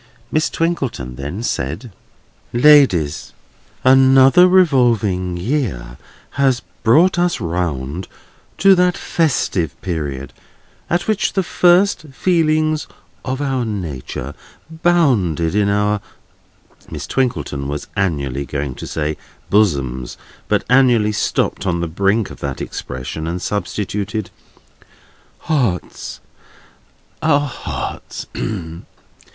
Miss Twinkleton then said: Ladies, another revolving year had brought us round to that festive period at which the first feelings of our nature bounded in our—Miss Twinkleton was annually going to add "bosoms," but annually stopped on the brink of that expression, and substituted "hearts." Hearts; our hearts.